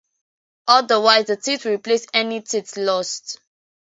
Otherwise the teeth will replace any teeth lost.